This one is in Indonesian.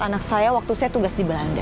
anak saya waktu saya tugas di belanda